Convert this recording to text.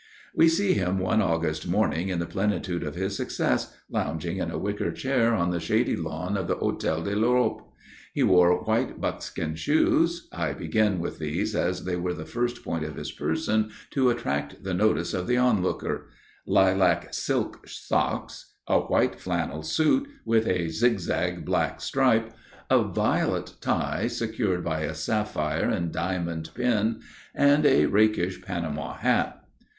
We see him one August morning, in the plentitude of his success, lounging in a wicker chair on the shady lawn of the Hôtel de l'Europe. He wore white buckskin shoes I begin with these as they were the first point of his person to attract the notice of the onlooker lilac silk socks, a white flannel suit with a zig zag black stripe, a violet tie secured by a sapphire and diamond pin, and a rakish panama hat.